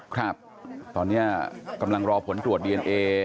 ครับตอนนี้กำลังรอผลตรวจดีเอนเอ